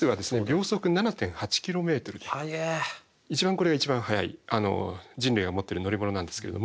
これが一番速い人類が持ってる乗り物なんですけれども。